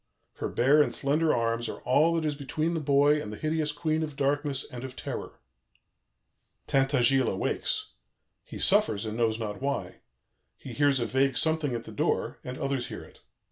Her bare and slender arms are all that is between the boy and the hideous Queen of Darkness and of Terror. "Tintagiles awakes. He suffers and knows not why. He hears a vague something at the door, and others hear it.